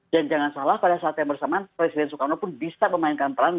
dan jangan salah pada saat yang bersamaan presiden soekarno pun bisa memainkan peran